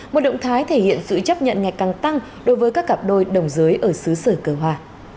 một động thái thể hiện sự chấp nhận ngày càng tăng đối với các cặp đôi đồng giới ở xứ sở cờ hòa